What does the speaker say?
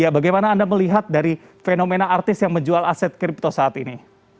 bagaimana anda melihat dari fenomena artis yang menjual aset kripto saat ini